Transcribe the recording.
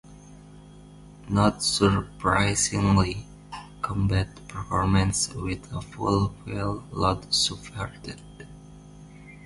Not surprisingly, combat performance with a full fuel load suffered.